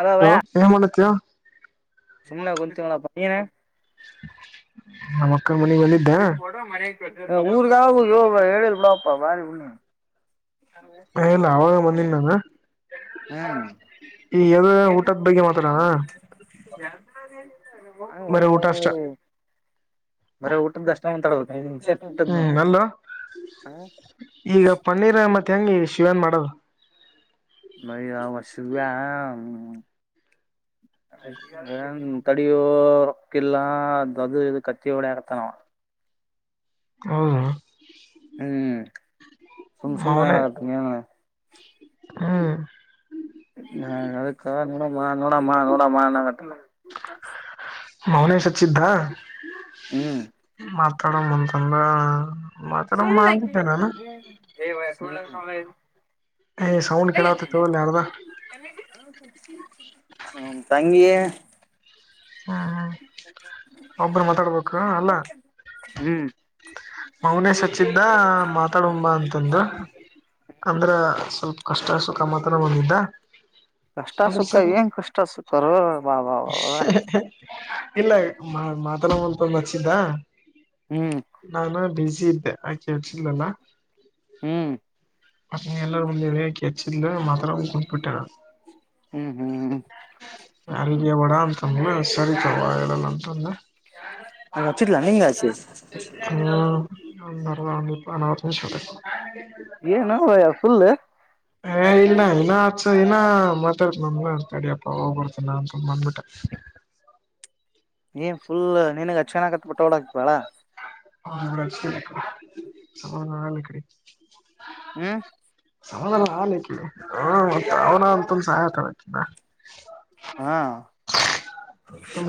ಅದವ ಹ ಏನ್ ಮಾಡತಯ [inaudible] ಸುಮಲ ಕೊಂತಾವ್ನಿ ಪಯನ ನಮ್ಮ ಅಕ್ಕ ಮನಗ್ ಬಂದಿದೆ ಊರ್ಗಾವ ಯೋ ಎಳಲ್ ಬಿಡಪ್ಪಾ ಬಾರಿ ಒ್ಣೆ ಎಲ್ಲ ಅವಾಗ ಮಂದಿನ ನಾನ ಹ್ಮ್ ಈ ಎದ ಊಟದ ಬಗ್ಗೆ ಮಾತ್ರ ಯ [inaudible] ಮರ ಊಟಷ್ಟ ಬರ ಊಟದ್ದ ಅಷ್ಟ ಉಂತಾಡಟದ ಹ್ಮ್ ಅಲ್ಲ ಈಗ ಪನ್ನೀರ್ ಮತ್ತೆ ಹೆಂಗಗೆ ಶಿವನ್ ಮಾಡದು ಬೈ ಅವ ಸ ನ್ ತಡಿಯೋ ರೊಕ್ಕಿಲ್ಲ ಅದು ಇ ಕತ್ತಿ ಹೊಡೆ ಆಗತ್ತ ನಾವ ಹಾ ಹ್ಮ್ ಸು ಸು ನಾಳ ಮೌನೆ ಆತ ಹ್ಮ್ ನಾ ಅದಕ್ಕ ನೋಡಮ್ಮ ನೋಡಮ್ಮ ನೋಡಮ್ಮಟ್ಟ ಮೌನೇಷಚ್ಚಿದ್ದ [inaudible] ಹ್ಮ್ ತ್ತಡ ಬಂತಂದ ಸಳ್ಳ ಹ ಸೌಂಡ್ ಡ ಕೆಡಾ ತ್ತಡ ಲಾಣದ ಹ್ಮ ತಂಗಿಯ ಹ್ಮ್್ಮ ಒಬ್ಬರು ಮಾತಾಡ್ಬೇಕು ಅಲ್ಲ ಹ್ಮ್ ಮೌನೇಶ್ ಹಚ್ಚಿದ್ದ ಮಾತಾಡಂಬ ಅಂತಂದು ಅಂದ್ರ ಸ್ವಲ್ಪ ಕಷ್ಟಸಕ ಮಾತ್ರ ಬಂದಿದ್ದ ಕಷ್ಟ ಅದ್ರ ಸುಖ ಸಲ ಏನ್ ಕಷ್ಟ ಸುಖ ರ ಬಾ ಬಾ ಬ ಇಲ್ಲ ಮಾತಲ್ಲ ಮಲ್ಪಂದು ಹಚ್ಚಿದ್ದ ಹ್ಮ್ ನಾನು ಬಿಜಿ ಇದ್ದೆ ಆ ಕೇಳ್ಸಿಲ್ಲಲ್ಲ ಹ್ಮ್ ಅ ಎಲ್ಲರ ಒಂದೆ ಹೆಚ್ಚಿಲ್ಲ ಮಾತ್ರ ಕುಂಟಿಬಿತ್ತಲ್ಲ ಡಬಿಟ್ಟ ಹ್ಮ್ ಹ್ಮ್ ಯಾರಿಗೆ ಬಡ ಅಂತ ಸರಿತವಾ ಹೇಳಲ್ಲ ಂದ [inaudible] ಹಾಗ ಹಚ್ಚಟ್ಲ ನೀಂಗ ಹಚಿ ಹ ಅದ ಅನವ ಏನ ನವಯ ಫುಲ್ ಇನ ಇನ್ನ ಆ ಇನ್ನ ಮಾತಾಡ್ತ ನ ಅಡಪ್ಪ ಹೋಗ್ಬರ್ತನ ಅಂತ ಬಂದಬಿಟ್ಟ ಏ ಫುಲ್ ನನ್ಗ ಅಕ್ಷಿಣ ಆಕತ್ ಪಟವಾಡ ಹಾಕ್ತಿವಾಾಳ [unintelligible] ಹ್ಮ ಸಮಧಾನ ಆಾಲ ಹ ಅವಣ ಅಂತ ಸಹಾಯ ತಾಗೋಟಿದಿಲ್ಲ ಹಾ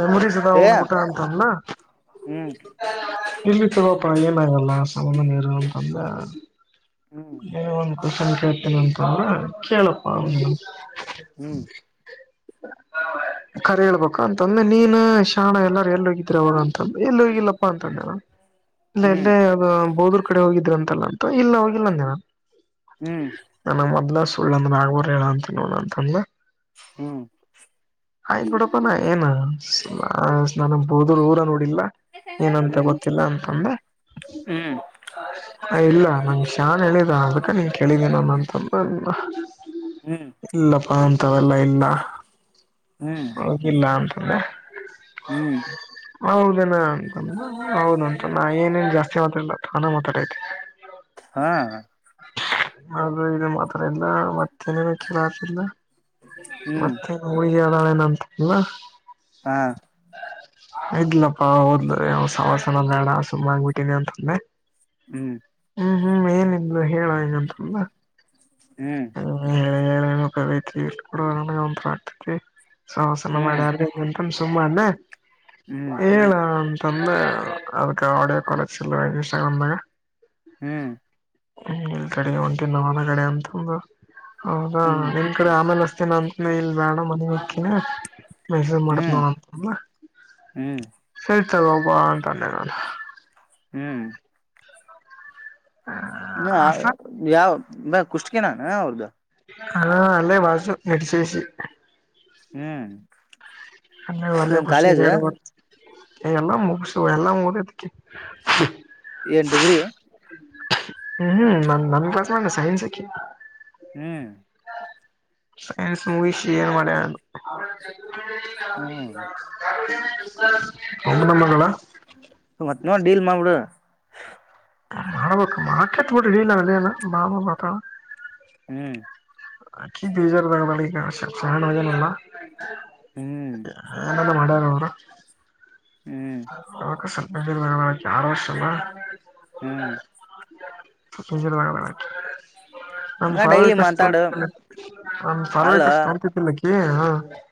ಮೆಮೋರಿ ಸದ ಏ ಹ ಗಟೆ ಅಂತನ್ ನ ಹ್ಮ್ ಇಲ್ಲಿತ್ತುವಪ್ಪ ಏನಾಗಲ್ಲ ಸಾಮ ನೀರು ಅಂತಂದ ಹ್ಮ್ ನೀ ಒಂದ ಕೊಸನ್ ಕೆಲತಿನಿಅಂತಂದ್ರ ಕೆಳಪ್ಪ ಹ್ಮ್ ಹ್ಮ್ [inaudible] ಕರಿ ಹೇಳ್ಬೇಕಾ ಅಂತಂದ್ರೆ ನೀನ್ ಶಾಣ ಎಲ್ಲಾರ ಎಲ್ಲಿ ಹೋಗಿದ್ರ ಅವಾಗ ಅಂತಂದ್ರೆ ಎಲ್ಲಿ ಹೋಗಿಲ್ಲಪ್ಪಾ ಅಂತಂದೆ ಇಲ್ಲ ಹ್ಮ್ ಎಲ್ಲೇ ಅದು ಬೋದೂರ್ ಕಡೆ ಹೋಗಿದರು ಅಂತಲ್ಲ ಅಂತ ಇಲ್ಲ ಹೋಗಿಲ್ಲಂದೆ ನಾನು ಹ್ಮ್ ನನ್ನ ಮೊದ್ಲ ಸುಳ್ಳಂದ್ರ ಆಾಗಬರ್ ಹೇಳಂತ ನೋಡಂತಂದ ಹ್ಮ್ ಆಯ್್ ನೋಡಪ್ಪಾನ ಏನ ನಾನ ಬೋದರು ಊರ ನೋ ಇಲ್ಲ ಏನಂತ ಗೊತ್ತಿಲ್ಲ ಅಂತ ಅಂದೆ ಹ್ಮ್ ಹ ಇಲ್ಲ ನಂಗ ಶಾನ್ ಹೇಳಿದ ಅದಕ್ಕ ನೀನ್ ಕೇಳಿದೀನಾನ ಅಂತಂದಲ್ಲ ಹ್ಮ್ ಇಲ್ಲಪ್ಪ ಅಂತವೆಲ್ಲ ಇಲ್ಲ ಹ್ಮ್ ಹೋಗಿಲ್ಲ ಅಂತ ಅಂದೆ ಹ್ಮ್ ಹೌದೇನಾ ಅಂತ ಅಂದ ಹೌದು ಉಂಟು ನಾ ಏನ ಜಾಸ್ತಿ ಮಾತ್ರಾಲ್ಲ ತಾನಾ ಮಾತಾಡ ಐತಿ ಹಾ ಅದು ಇದು ಮಾತ್ರ ಇಲ್ಲ ಮತ್ತೇನೇ ಮಕ್ಕೆಲ್ಲ ಆತಿಲ್ಲ ಮ ಹ್ಮ್ ಹುಳಗಿ ಅಳ ಏನಂತ ಇಲ್ವಾ ಹಾ ಇ್ಲಪ್ಪಾ ಹಓದ್ಲ ಸವಾಸನ ಮೇಡ ಸುಮ್ಮ್ ಆಗ್ಬಿಟ್ಟಿನಿ ಅಂತಂದೆ ಹ್ಮ್ ಹ್ಮ್ ಹ್ಮ್ ಏನಂದು ಹೇಳ ಏನಂತಂದ್ರ ಹ್ಮ್ ರ ಕಡ ನನ ಒಂರ ಆತಕ್ಕೆ ಶವಸನ ಮಾಡ ಹ್ಮ್ ನಮ ಸುಮಾನ ಹ್ಮ್ ಹೇಳ ತಂದ ಅದಕ್ಕೆ ಆಡಿಯೋ ಕಾಲಕ್ಸ್ ಇನ್ಸ್ಟಾಗ್ರಾಮ್ ದಾಗ ಹ್ಮ್ ಹ್ಮ ಇಲ್ತಡೆ ಒಂಟ ನ ಒಲಗಡೆ ಅಂತಂದು ಹದ ಹ್ಮ್ ನಿನ್ ಕಡೆ ಆಮೇಲೆಸ್ತೇ ನಾನು ಮೇಲ್ ಬೇಣ ಮನಿಗ್ ಹೊಕ್ಕಿನ ಮೆಸಜ್ ಮಾಡತ್ ನೋ ಹ್ಮ್ ಹ್ಮ್ ಅಂತ ಹ್ಮ್ ಹಳ್ತದ ಒಬ್ಬ ಅಂತೆ ನಾನು ಹ್ಮ್ ಹ ಅಷ್ಟ ಯಾವ ಕುಷ್ಟಕನಾನ ಅವ್ರಗ ಹಾ ಅಲ್ಲೇ ವಾಸು ನೆಡಶೇಿಸಿಿ ಹ್ಮ್ ಹನ್ಯಡ ವಲಿ ಇನ್ ಕಾಲೇಜ್ ಗೊಸಿಗ್ಯಾಡ್ ಎಲ್ಲಾ ಮುಗಸು ಎಲ್ಲಾ ಮುದದಕ್ಕೆ ಏನಾ ಡಿಗ್ರಿ ಹ್ಮ್ ಹ್ಮ್ ನ ನಂದಸೈನಾ ಸೈನ್ಸ್ ಅಕಿ ಹ್ಮ್ ಸೈನ್ಸ್ ಮೂವಿಷಿ ಏನ ಮಾಡ್ಯಾರ ಹ್ಮ್ ಎಂತ ಮಂದಂದಳ [inaudible] ಮತ್ ನೋಡ ಡೀಲ್ ಮಾಡ್ಬಿಡು ಮಾಡ್ಬೇಕು ಮಾಡಕತ್ಬಟ್ಟಿಡಲಿಲ್ಲ ಮ ಬಾ ಮಾತಾಡ ಹ್ಮ್ ಅಕಿ ಬೀದರ್ ಧಾಗ್ ಅದಾಲ್ ಈಗಬಜಾರ ಸಲ್ಲ [unintelligible] ಹ್ಮ್ ಎಲ್ಲ ಮಾಡ್ಯಾರ ಅವರು ಹ್ಮ್ ಯಕ್ಕ ಸ್ವಲ್ಪ ಯಾರ ವರ್ಷ ಅಲ್ಲ ಹ್ಮ್ ನಿ ಬಿ [inaudible] ನಮ ಹಂಗ ಪರವಾಗಿ ಡೈಲಿ ಕಷ್ಟು ಮಾತಾಡು ನಮ ಅಲ್ಲ ಪರವಾಗಿಕ್ಕೆಷ್ಟು ತಡ್ತತಿಲಕ್ಕಿ ಹ [unintelligible] [inaudible]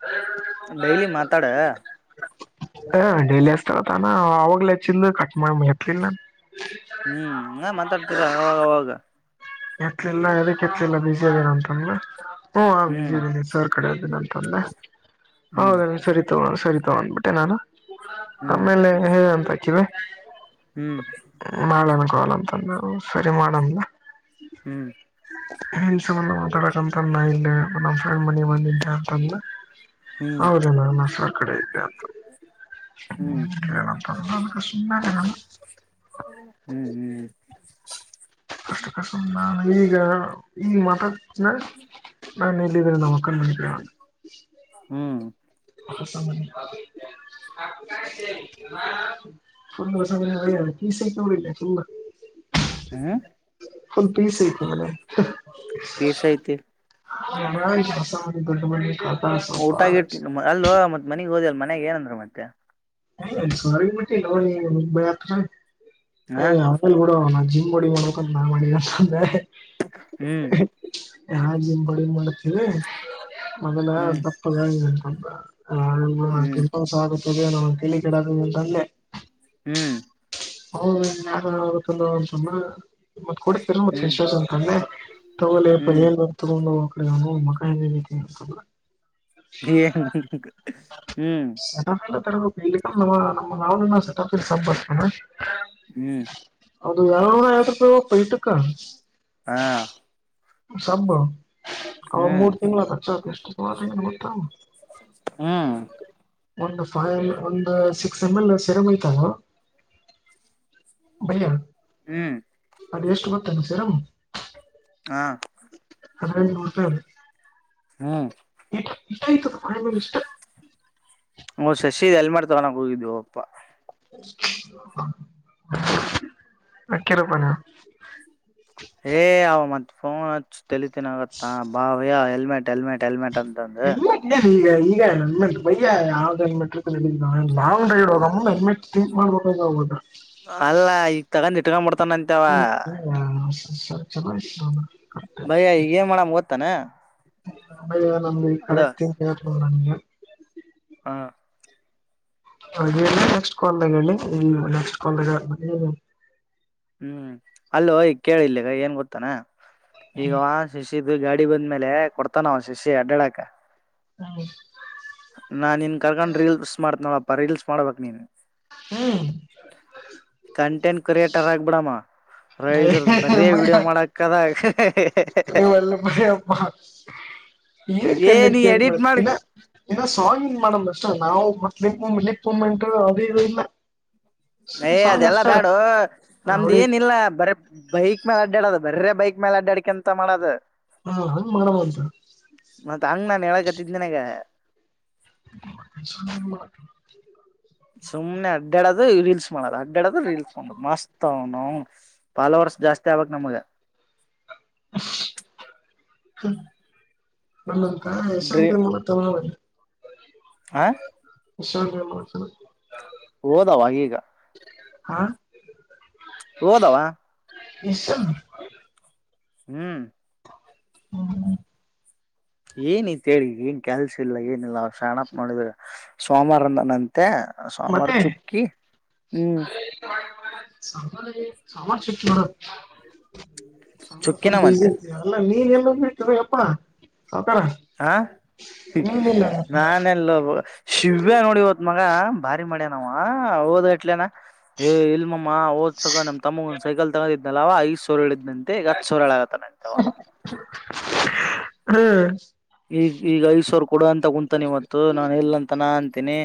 ಡೈಲಿ ಮಾತಾಡ ಹ ಡೈಲಿ ಹಸ್ತಾರ ತಾನ ಅವಾಗ್ಲಚ್ಚಂದು ಕಟ್ ಮಾಡ ಮತ್ತಲಿಲ್ಲ ನನ್ ಹ್ಮ್ ಹ ಮಾತಾಡ್ತಿರ ಅವಾಗಾಗ ಎತ್ಲಿಲ್ಲ ಅದಕ್ಕೆ ಎತ್ಲಿಲ್ಲ ಬಿಸಿ ಇದೀನ ಅಂತಂದ್ರೆ ಹ ಬಸಿ ಹ್ಮ್ ಇದೀನಿ ಸರ್ ಕಡೆದಿನ ಅಂತಂದೆ ಹ್ಮ್ ಹೌದ ಸರಿ ತಗೊಂಡ ಸರಿ ತಗೊಂಡ್ಬಿಟ್ಟೆ ನಾನು ಹ್ಮ್ ಆಮೇಲೆ ಹೇಂತ ಹಾಕಿವೆ [inaudible] ಹ್ಮ್ ನಾಳೆನಕಾಲ ಅಂತಂದ್ರ ಸರಿ ಮಾಡ ಹ್ಮ್ ಎನ್ಸಬಾನ ಮಾತಾಡಕ್ಂತ ಇಲ್ಲ ನಮ್ಮ್ ಮನಿ ಬಂದತ [inaudible] ಹ್ಮ್ ಹೌದನ ನಸ ಕಡೆ ಇದೆ ಅಂತ ಹ್ಮ್ ಹ್ಮ ಹೇಳಂತ ನಷ್ಟ ಹ್ಮ್ ಹ್ಮ್ ಕಷ್ಟ ಕಷ್ಟ ನಾನು ಈಗ ಈಗ ಮಾತಡತೆನ್ನ ನಲ್ಲಿ ಇ ನೋಕನ್ ನನ [inaudible] ಹ್ಮ್ [inaudible] ಸಡಲ್ಲ ತುಂಬಾ [inaudible] ಹ್ಮ್ ಪುಲ್ ಪೀಸ್ ಐತ ಮನೆ ಪೀಸ್ ಐತಿ ಹೊಸ ದೊಡ್ ಮಾಡ [inaudible] ಊಟಾಗಿ ಅಲ್ಲಿ ಮತ್ತತ್ ಮನಗ್ ಹೋದಲ್ ಮನ್ಯಗ್ ಏನಂದ್ರ ಮತ್ತೆ [unintelligible] ಹ ಜಿಮ್ ಬಾಡಿ ಮಾಡ್ಬೇಕಂತ ನಾ ಮಾಡಿದ್ರ ಹ್ಮ್ ಹ ಜಿಮ್ ಬಾಡಿ ಮಾಡತೀರಿ ಮೊದಲ ಹ್ಮ್ ದಪ್ಪದಾಗಿಂತ ಹ ಹ್ಮ್ ಕೆಲಸ ಆಗುತ್ತದೆ ನಾ ತೆಲಿ ಕೆಡ ಅಂತ ಅಂದೆ ಹ್ಮ್ ಹೌದ ಯತ್ತಲ್ಲಲ್ಲ [inaudible] [unintelligible] ಮಕ್ಕ ಹ್ಮ್ ಹ್ಮ್ ಎಲ್ಲ ಹ್ಮ್ ನ ನಮ್ಮ ನಾ ಸೆ ಬರ್ತ ಹ್ಮ್ ಅದು ಯಾವ ಐವತ್ತು ರೂಪಾಯಿ ಒ ಊಟಕ್ ಹಾ ಸಂಭವ ಅವ ಹ್ಮ್ ಮೂರ್ ತಿಂಗ್ಗಳ ಖರ್ಚತ ಎಷ್ಟು ಸುಮಾರ ಗೊತ್ತ ಹ್ಮ್ ಒಂದು ಫೈ ಒಂದು ಸಿಕ್ಸ್ ಎಮ್ ಎಲ್ ಸರಮ್ ಐ್ತಲ್ವಾ ಬೈಯ ಹ್ಮ ಅದ ಎಷ್ಟು ಗೊತ್ತಂನ ಸೀರಮ್ ಹ್ಮ ಹಲ ನಮಸ್ಕಾರ ಹ್ಮ ಇಟ ಇಟ ಐತಿ ಬಾಯಿ ಮೇಲೆ ಇಷ್ಟ ಹ್ಮ ಶಶಿಗೆ ಹೆಲ್ಮೆಟ್ ತಗೊಳಕ್ ಹೋಗಿದ್ದ್ವ ಅಪ್ಪಾ ಅಕ್ಕರಪಾನ [unintelligible] ಏ ಅವ ಮತ್ತ್ ಫೋನ್ ಹಚ್ಚ ತಲಿತಿನ ಕತ್ತನ್ ಬಾವ್ಯ ಹೆಲ್ಮೆಟ್ ಹೆಲ್ಮೆಟ್ ಹೆಲ್ಮೆಟ್ ತಂತಂದ ಹೆಲ್ಮೆಟ್ ಇದೆ ಈಗ ಈಗ ನನ್ಮೆಂ ಬಯ್ಯ ಯಾವ್ದ ನನ್ಮೆಟ್ರ ನಡ ಲಾಂಗ್ ಡ್ರೈವ್ೋಗ ನನ್ಮೆ ಮಾಡಗಟಾಯ ನದ ಅಲ್ಲ ಈಗ ತಗೊಂಡ್ ಇಟ್ಕೊಂಡ್ಬಡ್ತಾನ ಅಂತವ ಸರ್ ಚಲ ಭಯ್ಯ ಈಗ ಏನ್ ಮಾಡಮ್ ಗೊತ್ತಾನ ಅಯ್ಯೋ ನಂದ್ ಇಲ್ಲಿ ಕರೆಟ್ ಚಿಂತಿ ಹ ಹಾ ಹಾಗ ನೆಕ್ಸ್ಟ್ ಕಾಲ್ದಾಗ ಹೇಳಿ ನೆಕ್ಸ್ಟ್ ಕಾಲ್ಾಗ ಹ್ಮ್ ಅಲ್ಲ ಈ ಕೇಳಿಲ್ಲಿ ಏನ್ ಗೊತ್ತಾನ ಈಗ ಶಶಿದ ಗಾಡಿ ಅಡಿ ಬಂದ್ಮೇಲೆ ಕೊಡ್ತಾನ ಶಿಷ್ಯ ಅಡ್ಡಾಡಕ ಹೌ ನಾ ನೀನ್ ಕರ್ಕೊಂಡ್ ರೀಲ್ಸ್ ಮಾಡ್ತ್ ನೋಡಪ್ಪಾ ರೀಲ್ಸ್ ಮಾಡ್ಬಕ್ ನೀನ್ ಹ್ಮ ಕಂಟೆಂಟ್ ಕ್ರಿಯೇಟರ್ ಆಗ್ಬಿಡಾಮ ರ್ರ ಬರೀ ವೀಡಿಯೋ ಮಾಡಕದ ನೀ ಎಲ್ಲ ಮಮ್ಮ ಏ ಕಣ್ಣ ನೀ ಕೇಳಿ ಮಾಡ ಎಡಿಟ್ ಮಾಡಿ ಇನ್ನ ಇನ್ನ ಸಾಂಗ್ ಇನ್ ಪಷ್ಟು ನಾವು ಮಟ್ಲಿಲಿಕ್ಂಟ ಅದೇ ಇದು ಇಲ್ಲ ಏಯ್ ಸಾಂಗ್ ಅದೆಲ್ಲಾ ಅಷ್ಟೇ ಬ್ಯಾಡು ನಮ್ದ ರೌಡಿ ಏನ ಇಿಲ್ಲ ಬರ ಬೈಕ್ ಮೇಲೆ ಅಡ್ಡಾಡದ ಬರ್ರೇ ಬೈಕ್ ಮೇಲೆ ಅಡ್ಡಾಡಡ್ಕಂತ ಮಾಡದು ಹ ಹಂಗ್ ಮಾಡಮ ಅಂತ ಮತ್ತ ಹಂಗ ನಾನ್ ಹೇಳ ಗತ್ತಿದ ನನ್ಗ ಹೂ ಸುಮ್ಮ್ನೆ ಅಡ್ಡಾಡೋದು ರೀಲ್ಸ್ ಮಾಡದು್ ಅಡ್ಡಾಡದು ರೀಲ್ಸ್ ಮಾಡ್ ಮಸ್ತ್ ಅವನನೌನ್ ಫಾಲ್ಲೋರ್ಸ್ ಜಾಸ್ತಿ ಆಗಬಕ್ ನಮಗ ಹ್ಮ ನಮ್ಮಂತ ಡ್ರೀ ಯಶಂತಿ ಮೂ ತಿ ಹ ಅ ಮಾಡ ಹೋದಾವ ಈಗ ಹಾ ಹೋದಾವ ಎಷ್ಟ ಹ್ಮ್ ಹ್ಮ ಏನಿತ್ೇಳಿ ಏನ್ ಕೆಲ್ಸ ಇಲ್ಲ ಏನಿಲ್ಲ ಅವ್ರು ಶರಣಪ್ಪ ನೋಡೋಿದ್ರೆ ಸೋಮವಾರಿಂದ ನನ್ ತ್ತ ಸೋಮಾರ ಮತ್ತೆ ಚುಕ್ಕಿ ಹ್ಮ್ ಸಾಮಾನ ಚಟ್ಟಿ ಹೊರ ಸ್ವಲ್ಪ ಚುಕ್ಕಿನ ಮತ್ತೆ ಬಿರ್ ಅಲ್ಲ ನೀರ್ ಎಲ್ಲ ಬಿಟ್ಟ ಅಪ್ಪ ಹಾ ನಾನೆಲ್ಲ ಶಿವ್ಯ ನೋಡಿವತ್ತು ಮಗ ಭಾರಿ ಮಡ್ಯಾನ ನಾವ್ ಹಓದ್ ಅಟ್ಲನ ಏ ಇಲ್ ಮಮ ಓದ್ಸಗ ನಮ್ ತಮಗ ಒಂದ್ ಸೈಕಲ್ ತಗೊಂಡಿದನಲ್ಲ ಐಸ್್ರು ಹೇಳಿದ ನಂತೆ ಈಗ ಹತ್ತು ಸುಳ್ಳ ಆಗತ್ತಾನೆಂತವ ಹ್ಮ್ ಈಗ ಈಗ ಐದ್ಸವ್ರ ಕೊಡ ಅಂತ ಕುಂತಾನ ಇವತ್ತು ನಾನು ಎಲ್ಲ ಅಂತಾನ ಅಂತೀನಿ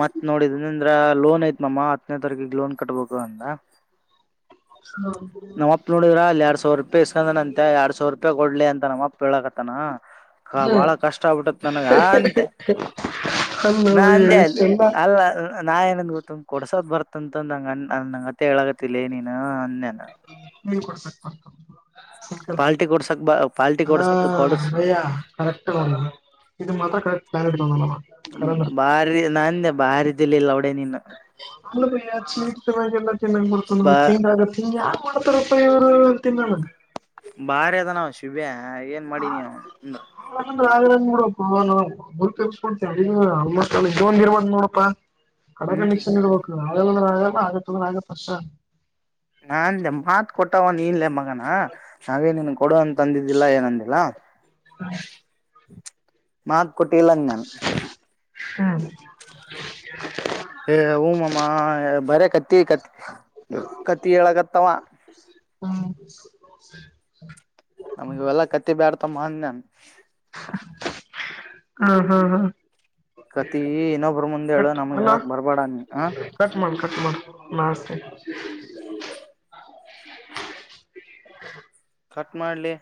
ಮತ್ ನೋಡಿದ ಅಂದ್ರ ಲೋನ್ ಐತ್ ಮಮ ಹತ್ತನೇ ತಾರೀಕಿಗೆ ಲೋನ್ ಕಟ್ಬೇಕು ಅಂದ ನಮ್ಮಪ್ಪ ನೋಡಿದ್ರ ಅಲ್ಲಿ ಎರಡ್ ಸ ಸಾವರ್ ರೂಪಿ ಇಸ್ಕಂದ ಅಂತೆ ಎರಡ್ ಸಾವಿರ ರೂಪಾಯ ಕೊಡ್ಲಿ ಅಂತ ನಮ್ಮಪ್ಪ ಹೇಳಕತನ ಬಾಳ ಹ್ಮ್ ಕಷ್ಟ ಆಗ್ಬಿಟ್ಟತ್ ನನಗ ಅಂತೆ ಹಣ್ಣು ಬಯ್ಯ ನಂದೆ ಅದು ಇಷ್ಟೆಲ್ಲ ಅ ಅಲ್ಲ ನಾ ಏನಂದ್ ಗೊತ್ತ ಕೊಡ್ಸ್ದ್ ಬರ್ತಂತ ನಂಗ ನಂಗತೆ ಹೇಳಗತಿಿಲ್ಲ ನೀನು ಅನ್ೇ ನೀವು ಪಡ್ತತ [unintelligible] ಪಾರ್ಟಿ ಕೊಡ್ಸಕ್ ಬಾ ಹಾ ಭಯ್ಯ ಕರೆಕ್ಟ್ ಇದು ಮಾತ್ರ ಕರೆಕ್ಟ್ ಕರೆನ ಬಾರಿ ನಾನ್ೆ ಬಾರಿ ಇದಿಲ್ [unintelligible] ಅಲ್ಲ ಬಯ ಚೀಟ್ ಚೆನ್ನಾಗ ಎಲ್ಲ ಚೆನ್ನಾಗಿ್ ಬಡ್ತ ಬಾ ನಮಗೆ ಚೇ್ ಆಗ ಹಂಗೆ [unintelligible] ಬಾರಿ ಅದ ನಾವ ಶಿಬಿ ಏನ್ ಮಾಡಿನಿ ಅಂದ್ರ ನೋಡಪ್ಪಾ ನಾ ಗುರ್ತಿರ್ಸ್ಕೊಡ್ತ ಆಲ್ೋಸ್ಟ್ ಅಲ್ಲಿ ಒಂದ ಇರ್ಬ್ ನೋಡಪ್ಪಾ ಕಡೆ ಹ್ಮ್ ಕಂಡಿಕ್ಷನ್ ಇಡ್ಬೇಕು ನಳೆ ತೊಂದ್ರ ಆಗಲ್ಲ ಆಗ ತೊಂದ್ರ ಆಗತ್ ಅಷ್ಟ ನನ್ ಮಾತ್ ಕೊಟ್ಟವನ್ ನೀನ್ ಲೆ [unintelligible] ಹಾಗ ನಾವೇನನ್ ಕೊಡು ಅಂತ ಅಂದಿದ್ದಿಲ್ಲ ಏನಂದಿಲ್ಲ ಮಾತ್ ಕೊಟ್ಟಿಲ ಆನ್ [unintelligible] ಹ್ಮ್ಮ್ ಏ ಹೂ ಮಾಮ ಬರೇ ಕತ್ತಿ ಕತ್ತ ಕತ್ತಿ ಹೇಳಗತ್ತಾವ ಹ್ಮ್ [unintelligible] ನಮಗ ಇವೆಲ್ಲಾ ಕತ್ತಿ ಬ್ಯಾಡ್ತಮಂದ ನನ್ ಹಾ ಹಾ ಹಾ ಕತಿ ಇನ್ನೊಬ್ರ ಮುಂದೆೇಳು ಕಟ್ ನಮಗ್ ಹೇಳಕ್ ಬರ್ಬೇಡ ನೀ ಹ ಬಕ ಮಾಡಷ್ಟತೆ [unintelligible] ಕಟ್ ಮಾಡ್ಲೆ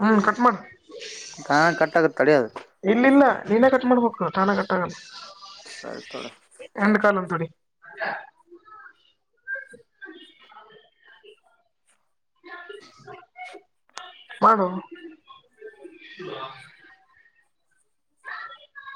ಹ್ಮ್ಮ್ ಕಟ್ ಮಾಡು ಹಾ ಕಟ್ಟಾಗುತ್ತೆ ತಡೆಯದು ನೀಿನೇ ಕಟ್ ಮಾಡ್ಬೇಕು ತಾನೇ ಕಟ್ಟಗಲ್ಲ ಸರಿ ತೋಡ [unintelligible] [unintelligible] ಮಾಡು [unintelligible]